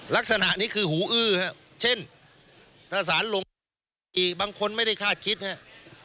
ลักษณะนี้คือหูอื้อฮะเช่นถ้าสารลงอีกบางคนไม่ได้คาดคิดครับ